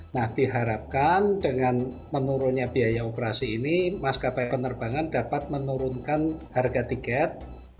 nah diharapkan dengan menurunnya biaya operasi ini maskapai penerbangan dapat menurunkan harga tiket